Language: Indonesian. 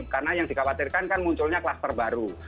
karena yang dikhawatirkan kan munculnya klaster baru